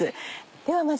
ではまず。